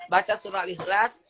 baca surat lihlas